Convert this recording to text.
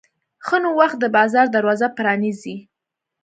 ښه نوښت د بازار دروازه پرانیزي.